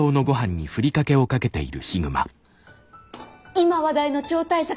今話題の超大作。